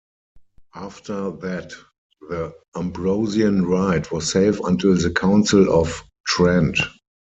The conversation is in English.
After that the Ambrosian Rite was safe until the Council of Trent.